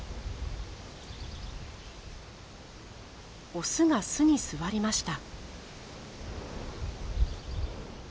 オスが巣に座りました。